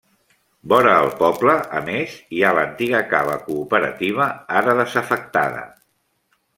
Vora el poble, a més, hi ha l'antiga Cava cooperativa, ara desafectada.